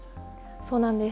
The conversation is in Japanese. そうなんです。